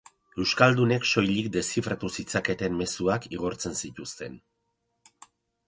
Euskaldunek soilik deszifratu zitzaketen mezuak igortzen zituzten.